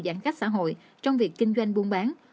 giãn cách xã hội trong việc kinh doanh buôn bán